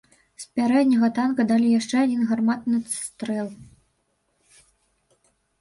З пярэдняга танка далі яшчэ адзін гарматны стрэл.